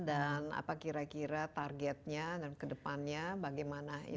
dan apa kira kira targetnya dan kedepannya bagaimana ini